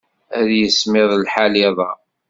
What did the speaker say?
Ad yismiḍ lḥal iḍ-a.